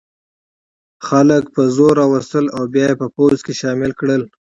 خلک په زور را وستل او بیا یې په پوځ کې شامل کړل.